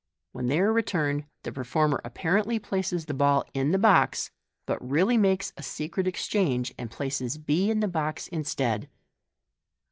When they are returned, the performer appjrently places the ball in the box, but really makes a secret exchange, and places b in the box instead.